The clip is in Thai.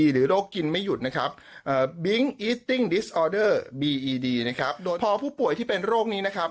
โรคกินไม่หยุดนะครับโดยพอผู้ป่วยที่เป็นโรคนี้นะครับ